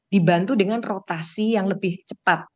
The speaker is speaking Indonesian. dibantu dengan rotasi yang lebih cepat